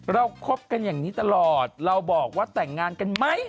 คบกันอย่างนี้ตลอดเราบอกว่าแต่งงานกันไหม